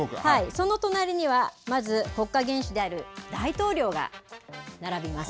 その隣には、まず、国家元首である大統領が並びます。